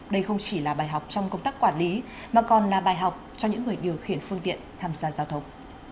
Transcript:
đây không chỉ là bài học trong công tác quản lý mà còn là bài học cho những người điều khiển phương tiện tham gia giao thông